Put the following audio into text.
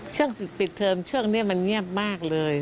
ช่วงปิดเทอมช่วงนี้มันเงียบมากเลย